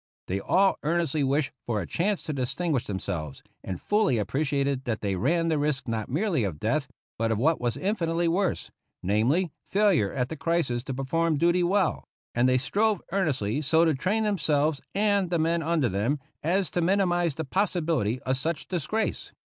They all earnestly wished for a chance to distinguish themselves, and fully appreciated that they ran the risk not merely of death, but of what was infinitely worse — namely, failure at the crisis to perform duty well ; and they strove earnestly so to train themselves, and the men under them, as to minimize the pos sibility of such disgrace.